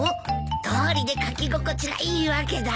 どうりで書き心地がいいわけだ。